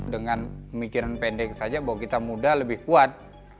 dengan pemikiran pendek saja bahwa kita muda lebih kuat